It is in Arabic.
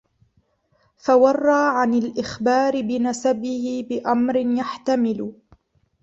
فَوَرَّى عَنْ الْإِخْبَارِ بِنَسَبِهِ بِأَمْرٍ يَحْتَمِلُ